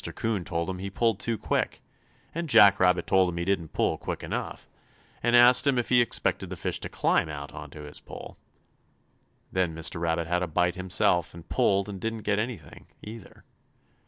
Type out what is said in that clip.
'Coon told him he pulled too quick, and Jack Rabbit told him he didn't pull quick enough, and asked him if he expected the fish to climb out on his pole. Then Mr. Rabbit had a bite himself, and pulled and didn't get anything, either.